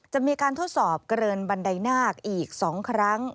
จะมีการทดสอบเกินบันไดนาคอีก๒ครั้ง